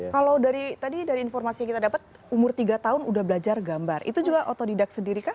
kalau dari tadi dari informasi yang kita dapat umur tiga tahun udah belajar gambar itu juga otodidak sendiri kah